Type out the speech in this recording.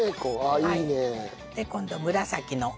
今度紫の。